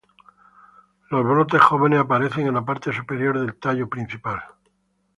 Los brotes jóvenes aparecen en la parte superior del tallo principal.